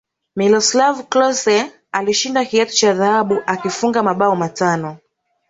miloslav klose alishinda kiatu cha dhahabu akifunga mabao matano